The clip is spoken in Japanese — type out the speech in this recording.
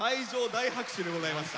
大拍手でございました。